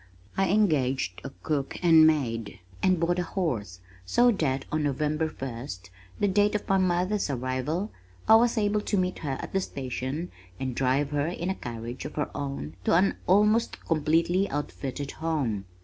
I engaged a cook and maid, and bought a horse so that on November first, the date of my mother's arrival, I was able to meet her at the station and drive her in a carriage of her own to an almost completely outfitted home.